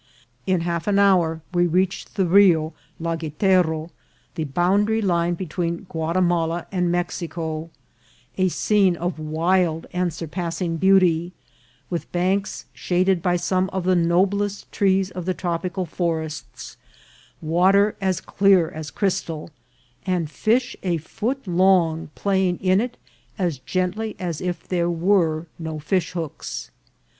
In half an hour we reached the Rio Lagertero, the ENTRY INTO MEXICO. 243 boundary line between Guatimala and Mexico, a scene of wild and surpassing beauty, with banks shaded by some of the noblest trees of the tropical forests, water as clear as crystal, and fish a foot long playing in it as gently as if there were no fish hooks.